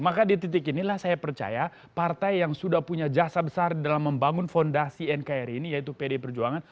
maka di titik inilah saya percaya partai yang sudah punya jasa besar dalam membangun fondasi nkri ini yaitu pdi perjuangan